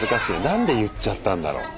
何で言っちゃったんだろう？